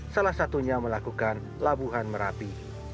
salah satunya melakukan labuhan merapi